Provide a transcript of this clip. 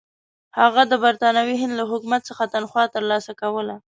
هغه د برټانوي هند له حکومت څخه تنخوا ترلاسه کوله.